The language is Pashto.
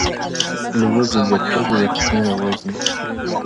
• لوږي ځپلي یخني یې وژني -